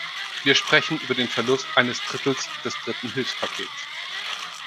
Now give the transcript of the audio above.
Wir sprechen über den Verlust eines Drittels des dritten Hilfspakets.